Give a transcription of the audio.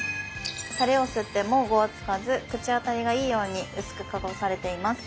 タレを吸ってもゴワつかず口当たりがいいように薄く加工されています。